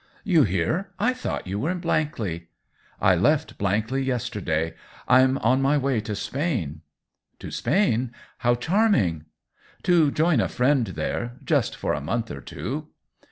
"You here? I thought you were at Blankley.'' I left Blankley yesterday ; I'm on my way to Spain." " To Spain ? How charming !"" To join a friend there — just for a month or two.''